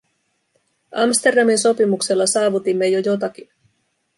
Amsterdamin sopimuksella saavutimme jo jotakin.